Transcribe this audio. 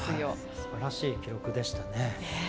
すばらしい記録でしたね。